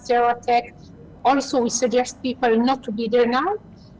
เด็กฐานจะเป็นใช้สบาย